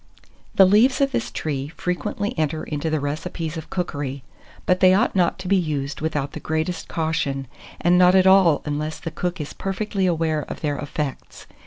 The leaves of this tree frequently enter into the recipes of cookery; but they ought not to be used without the greatest caution, and not at all unless the cook is perfectly aware of their effects.